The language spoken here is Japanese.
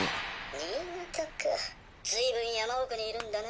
新潟かずいぶん山奥にいるんだね。